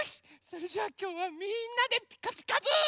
それじゃあきょうはみんなで「ピカピカブ！」。